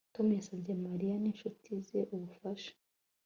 Tom yasabye Mariya ninshuti ze ubufasha